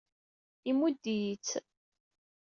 Imudd-iyi-tt.